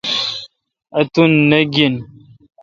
اتن نہ گیہ۔